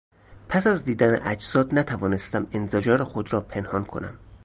پس از دیدن اجساد نتوانستم انزجار خود را پنهان کنم.